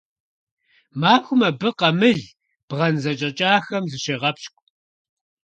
Махуэм абы къамыл, бгъэн зэщӀэкӀахэм зыщегъэпщкӀу.